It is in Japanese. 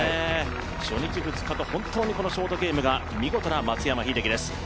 初日２日と、本当にこのショートゲームが見事な松山英樹です。